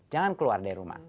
jangan keluar dari rumah